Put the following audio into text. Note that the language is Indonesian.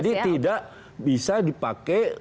jadi tidak bisa dipakai